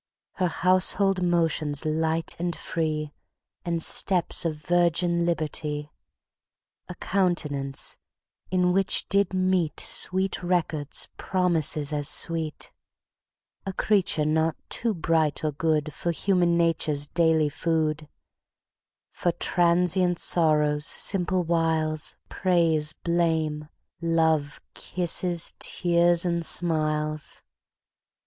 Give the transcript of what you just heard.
Her household motions light and free, And steps of virgin liberty; A countenance in which did meet Sweet records, promises as sweet; A creature not too bright or good For human nature's daily food; For transient sorrows, simple wiles, Praise, blame, love, kisses, tears, and smiles.